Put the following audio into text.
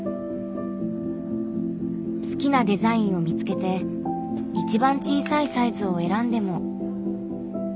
好きなデザインを見つけて一番小さいサイズを選んでも。